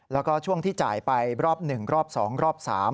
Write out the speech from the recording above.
แล้วก็ช่วงที่จ่ายไปรอบ๑รอบ๒รอบ๓